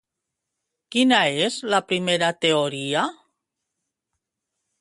Quina és la primera teoria?